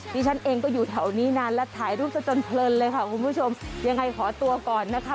ดิฉันเองก็อยู่แถวนี้นานและถ่ายรูปซะจนเพลินเลยค่ะคุณผู้ชมยังไงขอตัวก่อนนะคะ